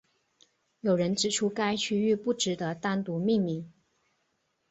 有人指出该区域不值得单独命名。